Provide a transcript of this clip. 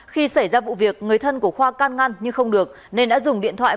khi xảy ra vụ việc người thân của khoa can ngăn nhưng không được nên đã dùng điện thoại